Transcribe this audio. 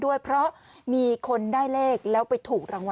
วันนี้รูปเรา